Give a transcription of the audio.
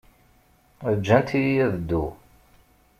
Ǧǧant-iyi ad dduɣ.